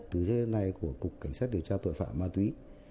từ thế này của cục cảnh sát điều tra tội phạm ma túy